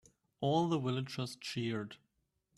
All the villagers cheered.